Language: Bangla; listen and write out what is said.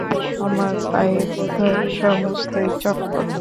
আমার পায়ে বোধ হয় সমস্তই চক্কর।